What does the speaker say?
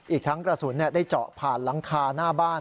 อีกทั้งกระสุนได้เจาะผ่านหลังคาหน้าบ้าน